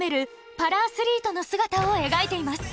パラアスリートの姿を描いています。